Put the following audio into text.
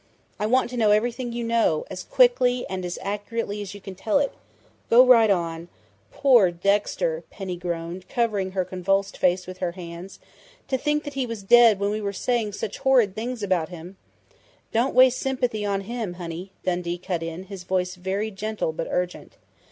I want to know everything you know as quickly and as accurately as you can tell it. Go right on " "Poor Dexter!" Penny groaned, covering her convulsed face with her hands. "To think that he was dead when we were saying such horrid things about him " "Don't waste sympathy on him, honey!" Dundee cut in, his voice very gentle but urgent.